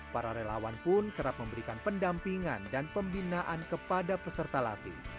para relawan pun kerap memberikan pendampingan dan pembinaan kepada peserta latih